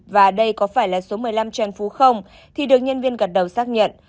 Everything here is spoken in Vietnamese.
và đây có phải là số một mươi năm trần phú không thì được nhân viên gật đầu xác nhận